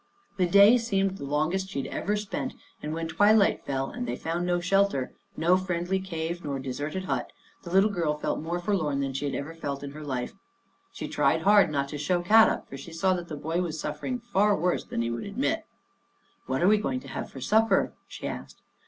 The day seemed the longest she had ever spent and when twi 122 Our Little Australian Cousin light fell and they found no shelter, no friendly cave nor deserted hut, the little girl felt more forlorn than she had ever felt in her life. She tried hard not to show Kadok for she saw that the boy was suffering far worse than he would admit. "What are we going to have for supper?" she asked.